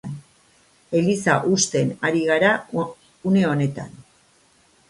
Eliza husten ari gara une honetan.